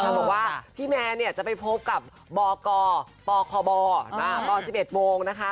เพราะว่าพี่แมนเนี่ยจะไปพบกับบกปคบบ๑๑โมงนะคะ